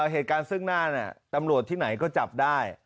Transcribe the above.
เหตุการณ์ซึ่งหน้าตำรวจที่ไหนก็จับได้